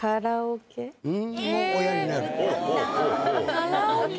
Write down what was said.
カラオケ！